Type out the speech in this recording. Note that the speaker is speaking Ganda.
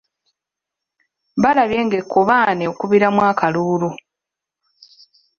Balabye ng'ekkobaane okubbiramu akalulu.